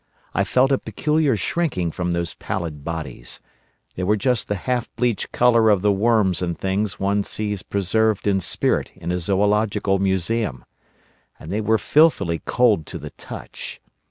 I felt a peculiar shrinking from those pallid bodies. They were just the half bleached colour of the worms and things one sees preserved in spirit in a zoological museum. And they were filthily cold to the touch.